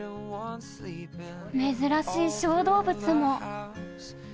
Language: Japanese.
珍しい小動物も。